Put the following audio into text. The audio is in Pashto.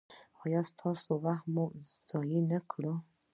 ایا ستاسو وخت مې ضایع نکړ؟